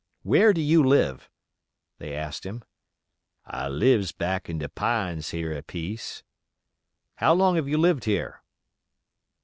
"Where do you live?" they asked him. "I lives back in the pines here a piece." "How long have you lived here?"